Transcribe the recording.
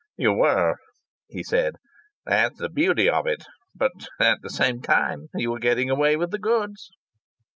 "You were," he said. "That's the beauty of it. But at the same time you were getting away with the goods!"